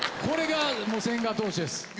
これが千賀投手です。